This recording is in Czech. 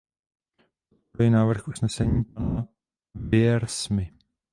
Podporuji návrh usnesení pana Wiersmy.